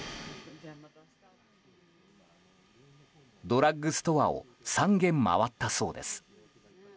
ドラッグストアを３軒回ったそうです。